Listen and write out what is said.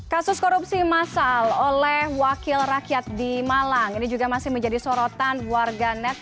kasus korupsi massal oleh wakil rakyat di malang ini juga masih menjadi sorotan warga net